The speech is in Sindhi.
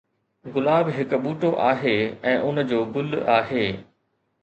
گلاب هڪ ٻوٽو آهي ۽ ان جو گل آهي